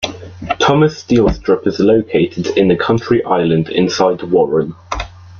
Thomas Steel Strip is located in a county island inside Warren.